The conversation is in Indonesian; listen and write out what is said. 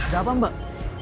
gak apa mbak